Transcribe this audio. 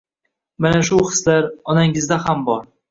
Mana shu hislar, onangizda ham bor